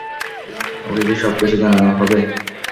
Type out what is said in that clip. ওকে কি সবকিছু জানানো হবে?